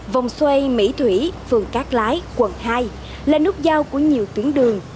vòng xoay mỹ thủy phường cát lái quận hai là nút giao của nhiều tuyến đường